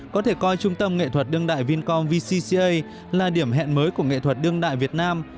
có thể coi trung tâm nghệ thuật đương đại vincom vcca là điểm hẹn mới của nghệ thuật đương đại việt nam